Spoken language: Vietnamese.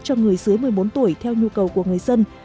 cho người dưới một mươi bốn tuổi theo nhu cầu của người dân